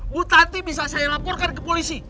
bu tati bisa saya laporkan ke polisi